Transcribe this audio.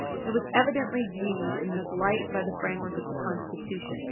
It was evidently viewed in this light by the framers of the Constitution.